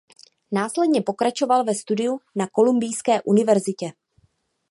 Následně pokračoval ve studiu na Kolumbijské univerzitě.